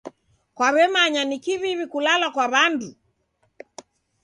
Kwaw'emanya ni kiw'iw'i kulala kwa w'andu.